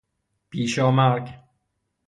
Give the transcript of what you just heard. پیشامرگ